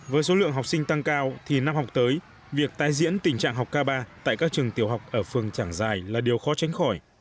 với số lượng học sinh tăng cao thì năm học tới việc tái diễn tình trạng học ca ba tại các trường tiểu học ở phường trảng dài là điều khó tránh khỏi